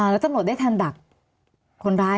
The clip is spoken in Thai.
มีความรู้สึกว่ามีความรู้สึกว่า